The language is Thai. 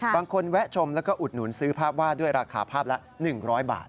แวะชมแล้วก็อุดหนุนซื้อภาพวาดด้วยราคาภาพละ๑๐๐บาท